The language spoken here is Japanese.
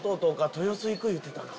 豊洲行く言うてたな。